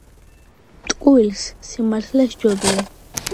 ტყუილს სიმართლე ჯობია❤️🔥